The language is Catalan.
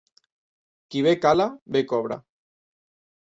Qui bé cala bé cobra.